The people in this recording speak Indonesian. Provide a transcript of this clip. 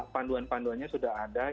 panduan panduannya sudah ada